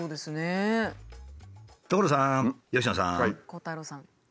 鋼太郎さん。